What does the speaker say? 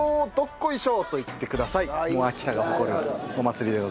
秋田が誇るお祭りでございます。